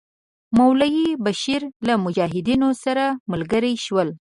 مولوی بشیر له مجاهدینو سره ملګري شول.